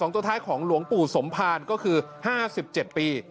ตัวท้ายของหลวงปู่สมภารก็คือ๕๗ปี